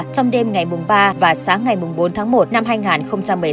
trong đêm ngày mùng ba và sáng ngày mùng bốn tháng một năm hai nghìn một mươi sáu